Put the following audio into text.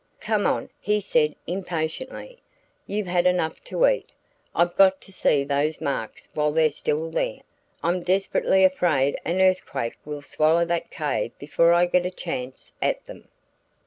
"Come on," he said impatiently, "you've had enough to eat. I've got to see those marks while they're still there. I'm desperately afraid an earthquake will swallow that cave before I get a chance at them."